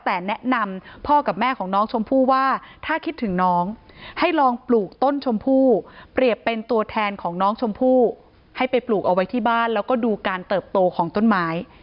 แต่แนะนำพ่อกับแม่ของน้องชมพู่ว่าถ้าคิดถึงน้องให้ลองปลูกต้นชมพู่เปรียบเป็นตัวแทนของน้องชมพู่ให้ไปปลูกเอาไว้ที่บ้านแล้วก็ดูการเติบโตของต้นไม้